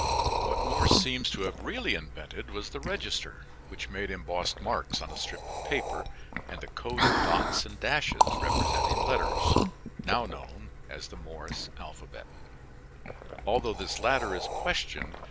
What Morse seems to have really invented was the register, which made embossed marks on a strip of paper, and the code of dots and dashes representing letters, now known as the Morse alphabet, although this latter is questioned.